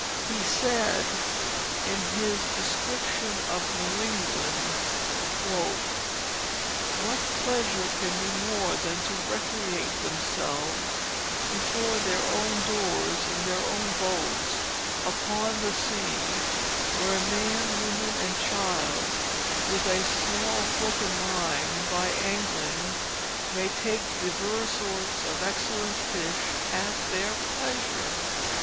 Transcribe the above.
He said in his Description of New England: "What pleasure can be more than to recreate themselves before their owne doores in their owne boates, upon the Sea, where man, woman, and childe, with a small hooke and line by angling, may take diverse sorts of excellent fish, at their pleasure?